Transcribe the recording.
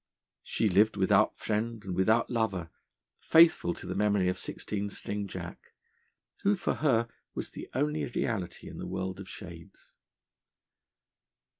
She lived without friend and without lover, faithful to the memory of Sixteen String Jack, who for her was the only reality in the world of shades.